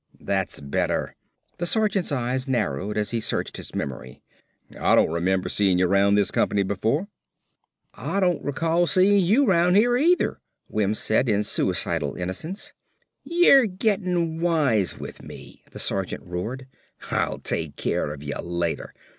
"That's better." The sergeant's eyes narrowed as he searched his memory. "I don't r'member seein' ya 'round this company before." "Ah don't recall seein' you 'roun' here either," Wims said in suicidal innocence. "Y'ARE GETTIN' WISE WITH ME!" the sergeant roared. "I'll take care of ya later."